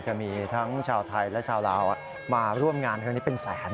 จะมีทั้งชาวไทยและชาวลาวมาร่วมงานครั้งนี้เป็นแสน